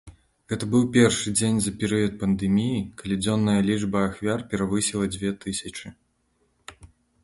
Гэта быў першы дзень за перыяд пандэміі, калі дзённая лічба ахвяр перавысіла дзве тысячы.